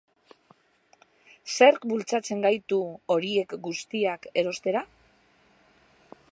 Zerk bultzatzen gaitu horiek guztiak erostera?